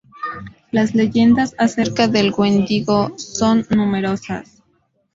Las leyendas acerca del wendigo son numerosas.